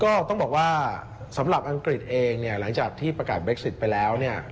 ก็ต้องบอกว่าสำหรับอังกฤษเองเนี่ยหลังจากที่ประกาศเบคซิตไปแล้วเนี่ย